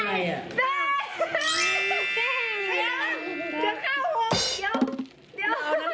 เดี๋ยวอะไรอ่ะ